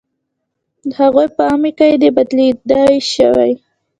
هغوی په عامې قاعدې بدلېدلی شوې.